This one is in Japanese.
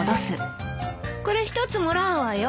これ一つもらうわよ。